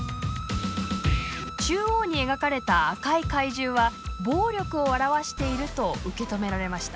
中央に描かれた赤い怪獣は暴力を表していると受け止められました。